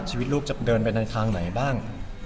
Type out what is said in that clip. ชีวิตลูกจะเดินไปในทางไหนบ้าง